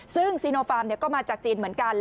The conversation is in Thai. ซึ่งซีโนฟาร์มก็มาจากจีนเหมือนกัน